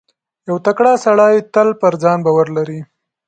• یو تکړه سړی تل پر ځان باور لري.